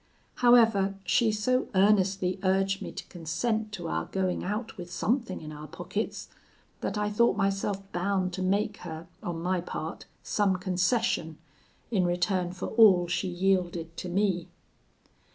However, she so earnestly urged me to consent to our going out with something in our pockets, that I thought myself bound to make her, on my part, some concession, in return for all she yielded to me.